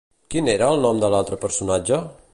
Quin era el nom de l'altre personatge?